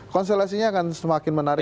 konstelasinya akan semakin menarik